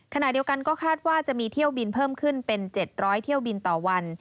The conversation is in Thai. ขณะเดียวกันก็คาดว่าจะมีเที่ยวบินเพิ่มขึ้นเป็น๗๐๐เที่ยวบินต่อวัน